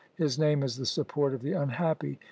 His name is the Support of the unhappy.